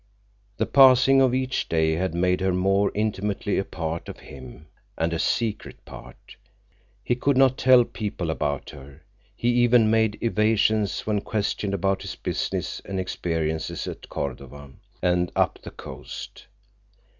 The passing of each day had made her more intimately a part of him, and a secret part. He could not tell people about her. He even made evasions when questioned about his business and experiences at Cordova and up the coast.